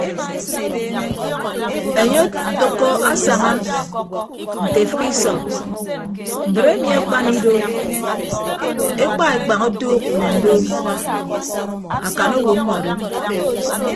Enye otәkko asaña nte efịk isọñ mbre emi akpan ido ekpa ekpañ otuuk mme ndoom akan owo mmọdo.